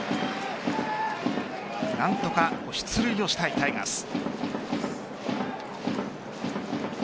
何とか出塁をしたいタイガース。